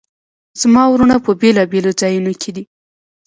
زما وروڼه په بیلابیلو ځایونو کې دي